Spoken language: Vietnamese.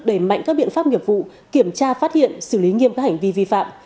đẩy mạnh các biện pháp nghiệp vụ kiểm tra phát hiện xử lý nghiêm các hành vi vi phạm